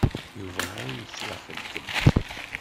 Yuba ur yettwaxeyyeb.